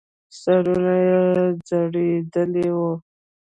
سرونه يې ځړېدلې وو.